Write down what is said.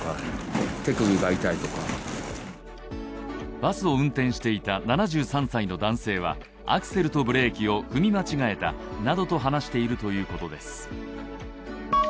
バスを運転していた７３歳の男性はアクセルとブレーキを踏み間違えたなどと話しているということです。